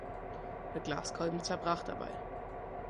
Der Glaskolben zerbrach dabei.